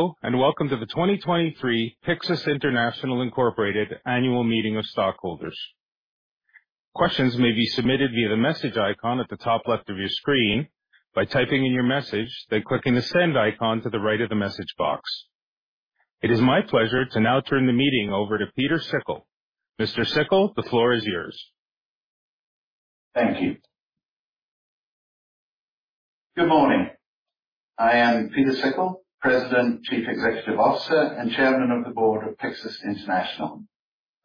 Hello, and welcome to the 2023 Pyxus International, Inc. Annual Meeting of Stockholders. Questions may be submitted via the message icon at the top left of your screen by typing in your message, then clicking the send icon to the right of the message box. It is my pleasure to now turn the meeting over to Pieter Sikkel. Mr. Sikkel, the floor is yours. Thank you. Good morning. I am Pieter Sikkel, President, Chief Executive Officer, and Chairman of the Board of Pyxus International.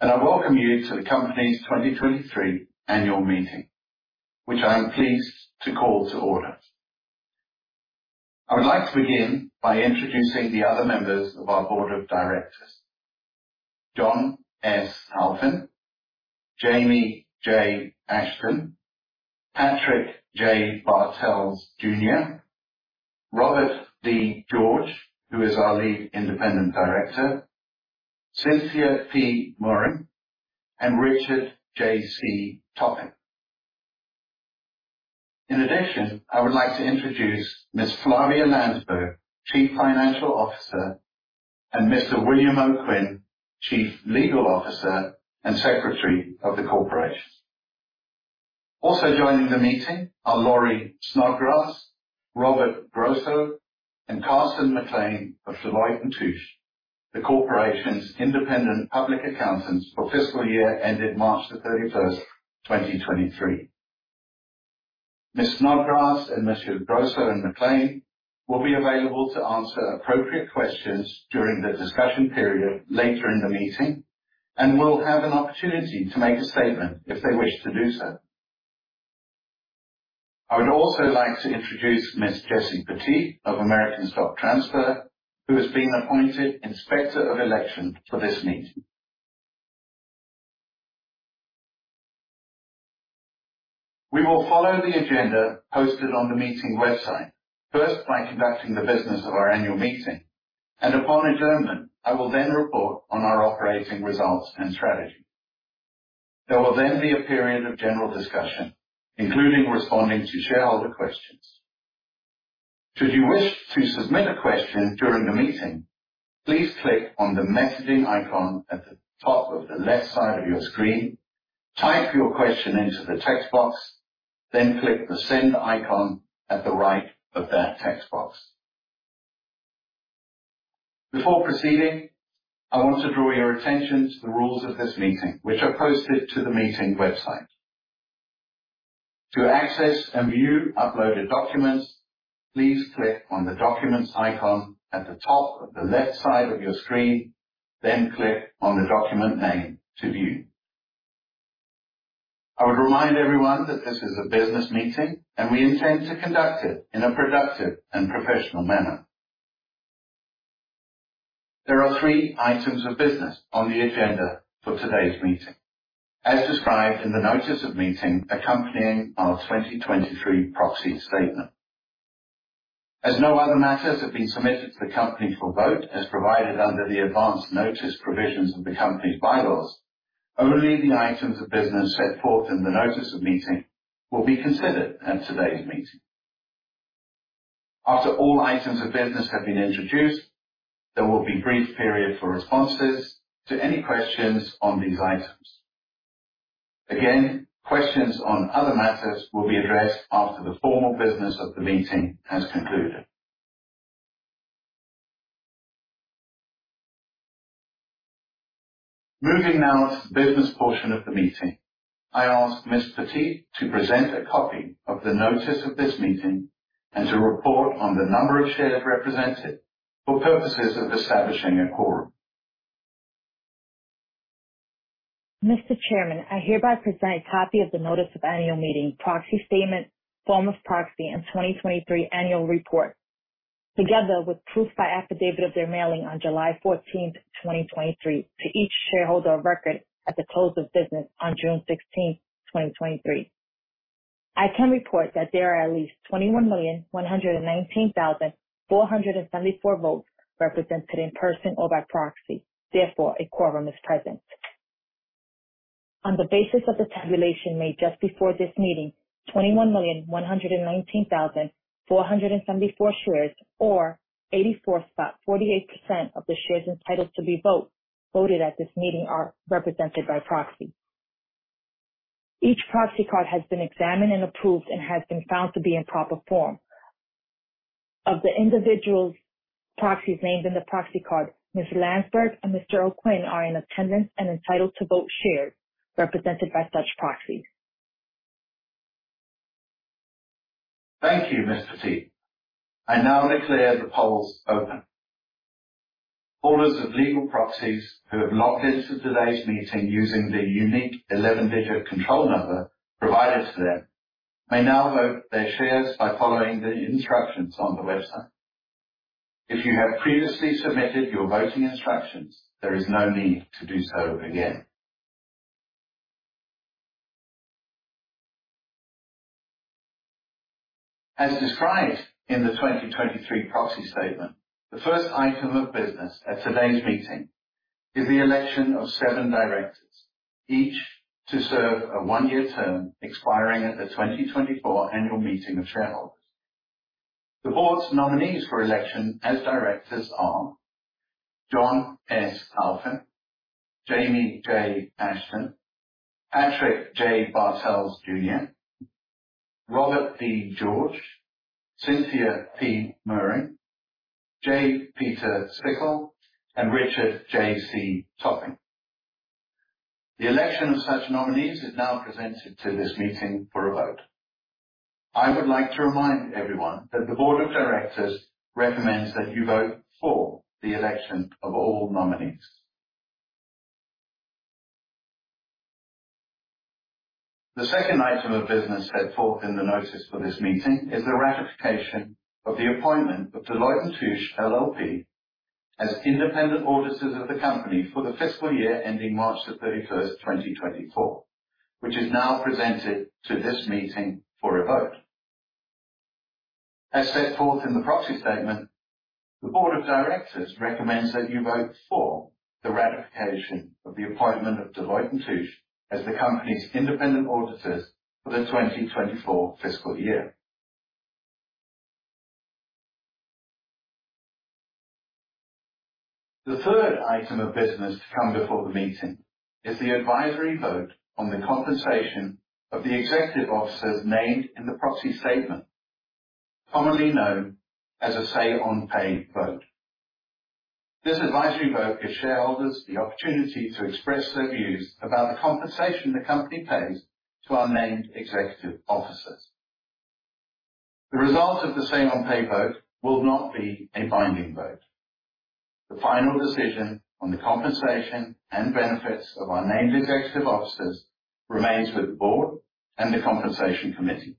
I welcome you to the company's 2023 annual meeting, which I am pleased to call to order. I would like to begin by introducing the other members of our board of directors, John S. Alphin, Jamie J. Ashton, Patrick J. Bartels Jr., Robert D. George, who is our Lead Independent Director, Cynthia P. Moehring, and Richard J.C. Topping. In addition, I would like to introduce Ms. Flavia Landsberg, Chief Financial Officer, and Mr. William O'Quinn, Chief Legal Officer and Secretary of the corporation. Also joining the meeting are Laurie Snodgrass, Robert Grosso, and Carson McLean of Deloitte & Touche, the corporation's independent public accountants for fiscal year ended March 31st, 2023. Ms. Snodgrass and Messrs. Grosso and McLean will be available to answer appropriate questions during the discussion period later in the meeting and will have an opportunity to make a statement if they wish to do so. I would also like to introduce Ms. Jessie Poteat of American Stock Transfer, who has been appointed Inspector of Election for this meeting. We will follow the agenda posted on the meeting website, first by conducting the business of our annual meeting, and upon adjournment, I will then report on our operating results and strategy. There will then be a period of general discussion, including responding to shareholder questions. Should you wish to submit a question during the meeting, please click on the messaging icon at the top of the left side of your screen, type your question into the text box, then click the send icon at the right of that text box. Before proceeding, I want to draw your attention to the rules of this meeting, which are posted to the meeting website. To access and view uploaded documents, please click on the Documents icon at the top of the left side of your screen, then click on the document name to view. I would remind everyone that this is a business meeting, and we intend to conduct it in a productive and professional manner. There are three items of business on the agenda for today's meeting, as described in the notice of meeting accompanying our 2023 proxy statement. As no other matters have been submitted to the company for vote, as provided under the advance notice provisions of the company's bylaws, only the items of business set forth in the notice of meeting will be considered at today's meeting. After all items of business have been introduced, there will be a brief period for responses to any questions on these items. Again, questions on other matters will be addressed after the formal business of the meeting has concluded. Moving now to the business portion of the meeting, I ask Ms. Poteat to present a copy of the notice of this meeting and to report on the number of shares represented for purposes of establishing a quorum. Mr. Chairman, I hereby present a copy of the Notice of Annual Meeting, Proxy Statement, Form of Proxy, and 2023 Annual Report, together with proof by affidavit of their mailing on July 14, 2023, to each shareholder of record at the close of business on June 16, 2023. I can report that there are at least 21,119,474 votes represented in person or by proxy. Therefore, a quorum is present. On the basis of the tabulation made just before this meeting, 21,119,474 shares, or 84.48% of the shares entitled to be vote, voted at this meeting are represented by proxy. Each proxy card has been examined and approved and has been found to be in proper form. Of the individuals' proxies named in the proxy card, Ms. Landsberg and Mr. O'Quinn are in attendance and entitled to vote shares represented by such proxies. Thank you, Ms. Poteat. I now declare the polls open. Holders of legal proxies who have logged into today's meeting using the unique 11-digit control number provided to them may now vote their shares by following the instructions on the website. If you have previously submitted your voting instructions, there is no need to do so again. As described in the 2023 proxy statement, the first item of business at today's meeting is the election of seven directors, each to serve a one-year term expiring at the 2024 annual meeting of shareholders. The board's nominees for election as directors are John S. Alphin, Jamie J. Ashton, Patrick J. Bartels Jr., Robert D. George, Cynthia P. Moehring, J. Pieter Sikkel, and Richard J.C. Topping. The election of such nominees is now presented to this meeting for a vote. I would like to remind everyone that the board of directors recommends that you vote for the election of all nominees. The second item of business set forth in the notice for this meeting is the ratification of the appointment of Deloitte & Touche LLP as independent auditors of the company for the fiscal year ending March 31st, 2024, which is now presented to this meeting for a vote. As set forth in the proxy statement, the board of directors recommends that you vote for the ratification of the appointment of Deloitte & Touche as the company's independent auditors for the 2024 fiscal year. The third item of business to come before the meeting is the advisory vote on the compensation of the executive officers named in the proxy statement, commonly known as a say-on-pay vote. This advisory vote gives shareholders the opportunity to express their views about the compensation the company pays to our named executive officers. The results of the say-on-pay vote will not be a binding vote. The final decision on the compensation and benefits of our named executive officers remains with the board and the Compensation Committee.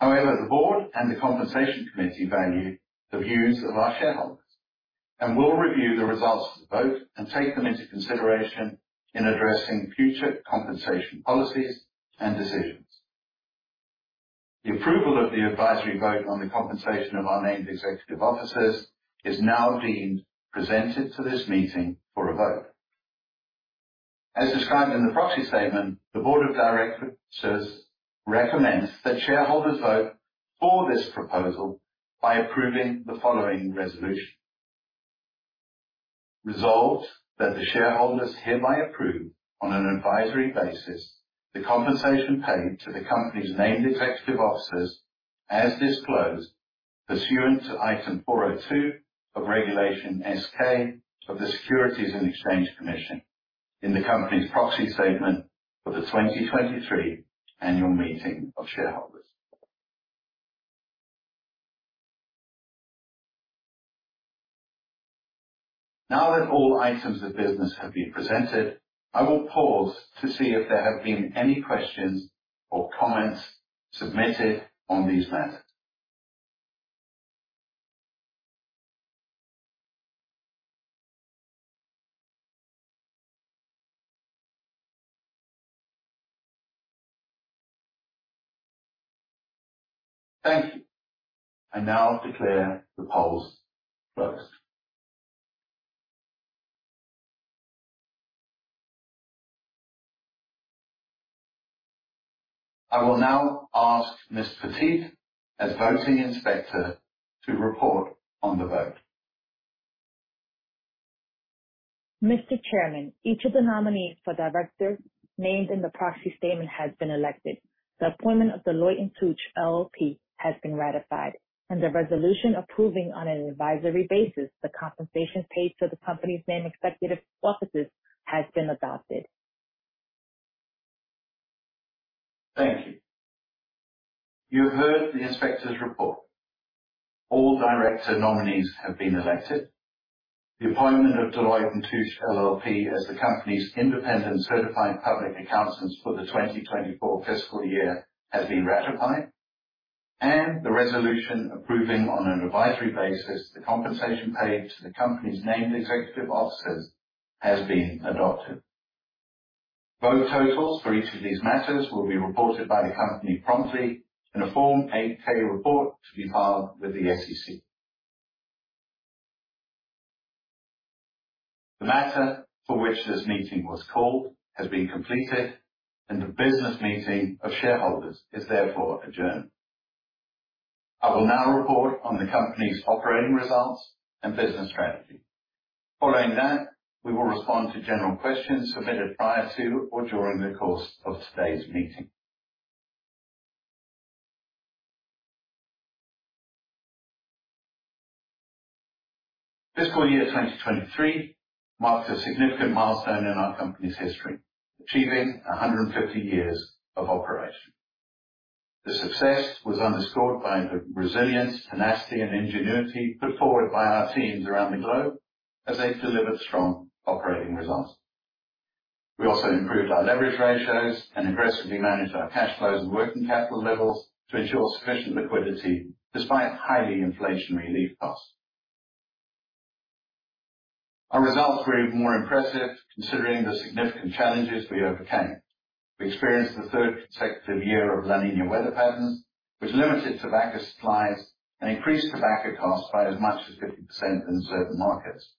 However, the board and the Compensation Committee value the views of our shareholders and will review the results of the vote and take them into consideration in addressing future compensation policies and decisions. The approval of the advisory vote on the compensation of our named executive officers is now being presented to this meeting for a vote. As described in the proxy statement, the board of directors recommends that shareholders vote for this proposal by approving the following resolution. Resolved, that the shareholders hereby approve, on an advisory basis, the compensation paid to the company's named executive officers, as disclosed pursuant to Item 402 of Regulation S-K of the Securities and Exchange Commission in the company's proxy statement for the 2023 annual meeting of shareholders. Now that all items of business have been presented, I will pause to see if there have been any questions or comments submitted on these matters. Thank you. I now declare the polls closed. I will now ask Ms. Poteat, as voting inspector, to report on the vote. Mr. Chairman, each of the nominees for directors named in the proxy statement has been elected. The appointment of Deloitte & Touche LLP has been ratified, and the resolution approving, on an advisory basis, the compensation paid to the company's named executive officers has been adopted. Thank you. You have heard the inspector's report. All director nominees have been elected. The appointment of Deloitte & Touche LLP as the company's independent certified public accountants for the 2024 fiscal year has been ratified, and the resolution approving, on an advisory basis, the compensation paid to the company's named executive officers has been adopted. Vote totals for each of these matters will be reported by the company promptly in a Form 8-K report to be filed with the SEC. The matter for which this meeting was called has been completed, and the business meeting of shareholders is therefore adjourned. I will now report on the company's operating results and business strategy. Following that, we will respond to general questions submitted prior to or during the course of today's meeting. Fiscal year 2023 marked a significant milestone in our company's history, achieving 150 years of operation. The success was underscored by the resilience, tenacity, and ingenuity put forward by our teams around the globe as they delivered strong operating results. We also improved our leverage ratios and aggressively managed our cash flows and working capital levels to ensure sufficient liquidity despite highly inflationary lead costs. Our results were even more impressive, considering the significant challenges we overcame. We experienced the third consecutive year of La Niña weather patterns, which limited tobacco supplies and increased tobacco costs by as much as 50% in certain markets.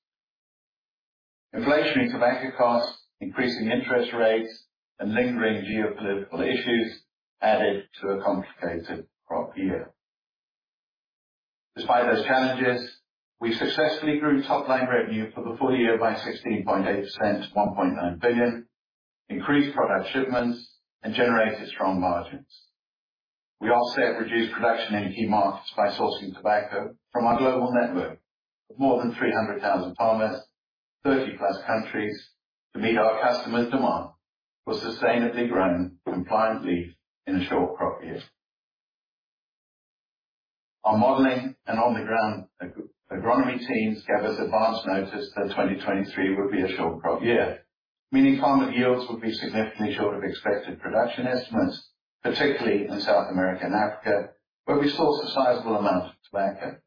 Inflation in tobacco costs, increasing interest rates, and lingering geopolitical issues added to a complicated crop year. Despite those challenges, we successfully grew top-line revenue for the full year by 16.8% to $1.9 billion, increased product shipments, and generated strong margins. We also have reduced production in key markets by sourcing tobacco from our global network of more than 300,000 farmers, 30-plus countries, to meet our customers' demand for sustainably grown compliant leaf in a short crop year. Our modeling and on-the-ground agronomy teams gave us advance notice that 2023 would be a short crop year, meaning farmer yields would be significantly short of expected production estimates, particularly in South America and Africa, where we source a sizable amount of tobacco.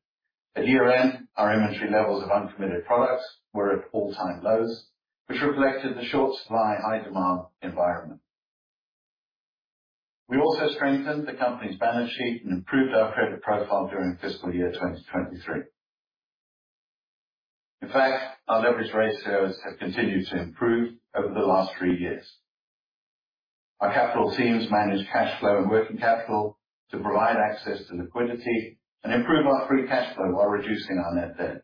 At year-end, our inventory levels of uncommitted products were at all-time lows, which reflected the short supply, high demand environment. We also strengthened the company's balance sheet and improved our credit profile during fiscal year 2023. In fact, our leverage ratios have continued to improve over the last three years. Our capital teams managed cash flow and working capital to provide access to liquidity and improve our free cash flow while reducing our net debt.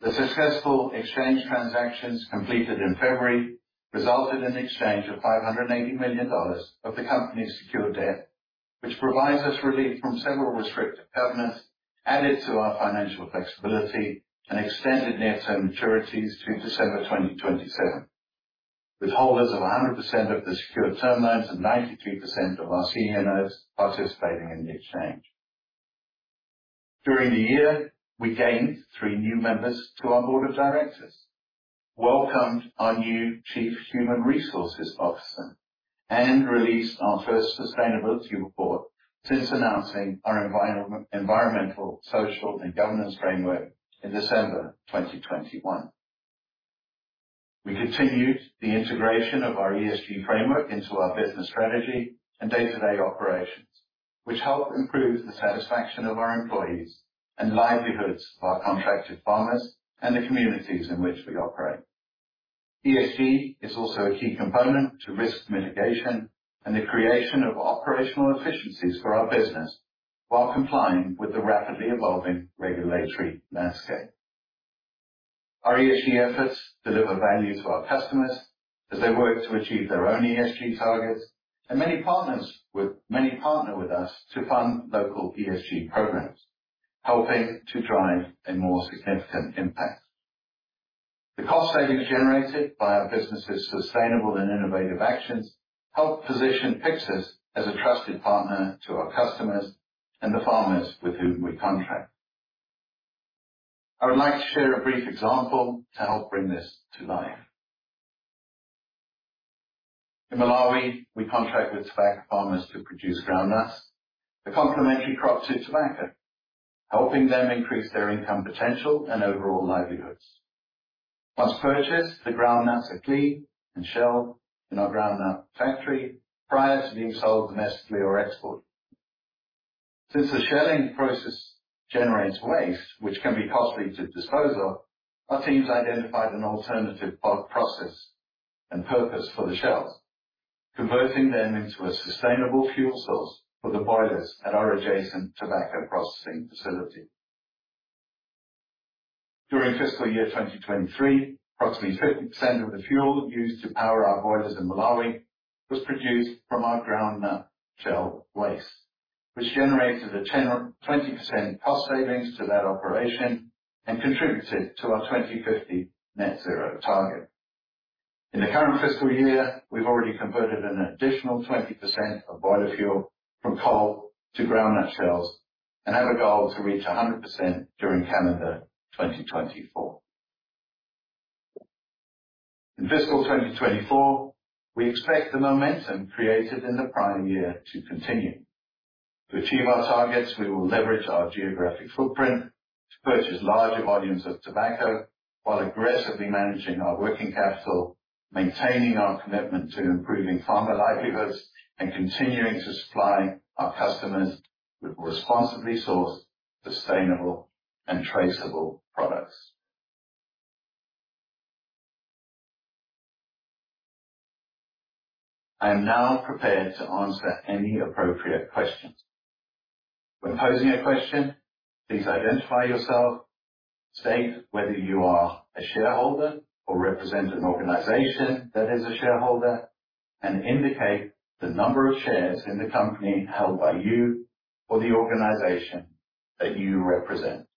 The successful exchange transactions completed in February resulted in the exchange of $580 million of the company's secured debt, which provides us relief from several restrictive covenants, added to our financial flexibility, and extended near-term maturities to December 2027, with holders of 100% of the secured term loans and 93% of our CNAs participating in the exchange. During the year, we gained three new members to our board of directors, welcomed our new Chief Human Resources Officer, and released our first sustainability report since announcing our environmental, social, and governance framework in December 2021. We continued the integration of our ESG framework into our business strategy and day-to-day operations, which help improve the satisfaction of our employees and livelihoods of our contracted farmers and the communities in which we operate. ESG is also a key component to risk mitigation and the creation of operational efficiencies for our business while complying with the rapidly evolving regulatory landscape. Our ESG efforts deliver value to our customers as they work to achieve their own ESG targets, and many partner with us to fund local ESG programs, helping to drive a more significant impact. The cost savings generated by our business's sustainable and innovative actions help position Pyxus as a trusted partner to our customers and the farmers with whom we contract. I would like to share a brief example to help bring this to life. In Malawi, we contract with tobacco farmers to produce groundnuts, a complementary crop to tobacco, helping them increase their income potential and overall livelihoods. Once purchased, the groundnuts are cleaned and shelled in our groundnut factory prior to being sold domestically or exported. Since the shelling process generates waste, which can be costly to dispose of, our teams identified an alternative bulk process and purpose for the shells, converting them into a sustainable fuel source for the boilers at our adjacent tobacco processing facility. During fiscal year 2023, approximately 50% of the fuel used to power our boilers in Malawi was produced from our groundnut shell waste, which generated a 10%-20% cost savings to that operation and contributed to our 2050 net zero target. In the current fiscal year, we've already converted an additional 20% of boiler fuel from coal to groundnut shells and have a goal to reach 100% during calendar 2024. In fiscal 2024, we expect the momentum created in the prior year to continue. To achieve our targets, we will leverage our geographic footprint to purchase larger volumes of tobacco while aggressively managing our working capital, maintaining our commitment to improving farmer livelihoods, and continuing to supply our customers with responsibly sourced, sustainable, and traceable products. I am now prepared to answer any appropriate questions. When posing a question, please identify yourself, state whether you are a shareholder or represent an organization that is a shareholder, and indicate the number of shares in the company held by you or the organization that you represent.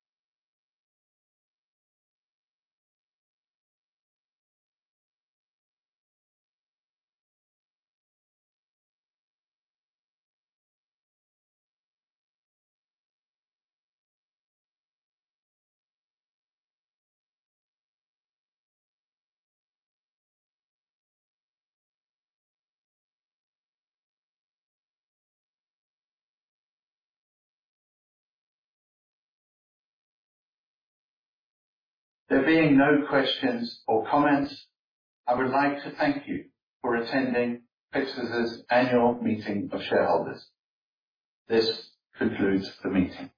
There being no questions or comments, I would like to thank you for attending Pyxus's Annual Meeting of Shareholders. This concludes the meeting.